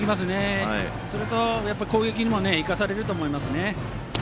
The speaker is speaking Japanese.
そうすると攻撃にも生かされると思いますね。